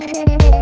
kau mau kemana